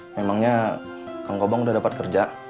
memangnya kang kobang udah dapat kerja